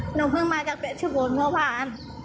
หนูเพื่อนมาจากเพชรบูรณ์ไม่เอาผ่าน